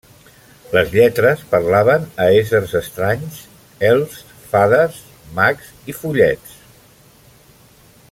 Les lletres parlaven a éssers estranys: elfs, fades, mags i follets.